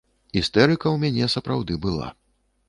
Істэрыка ў мяне сапраўды была.